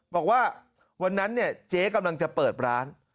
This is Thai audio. บอกว่าวันนั้นเนี่ยเจ๊กำลังจะเปิดร้าน